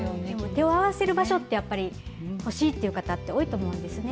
手を合わせる場所って、やっぱり欲しいっていう方って、多いと思うんですね。